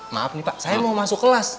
maaf nih pak saya mau masuk kelas